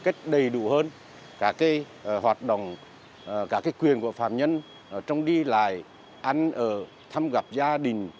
cách đầy đủ hơn cả cái hoạt động cả cái quyền của phạm nhân trong đi lại ăn ở thăm gặp gia đình